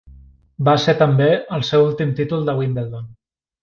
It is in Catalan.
Va ser també el seu últim títol de Wimbledon.